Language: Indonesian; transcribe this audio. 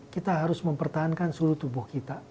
kita harus mempertahankan suhu tubuh kita